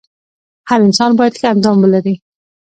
هر انسان باید ښه اندام ولري .